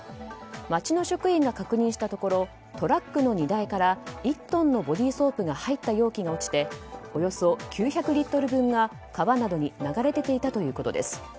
町の職員が確認したところトラックの荷台から１トンのボディーソープが入った容器が落ちておよそ９００リットル分が川などに流れ出ていたということです。